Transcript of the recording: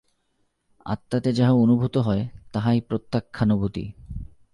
আত্মাতে যাহা অনুভূত হয়, তাহাই প্রত্যক্ষানুভূতি।